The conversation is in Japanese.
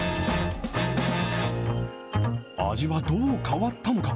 味はどう変わったのか。